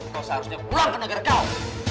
kau seharusnya pulang ke negara kau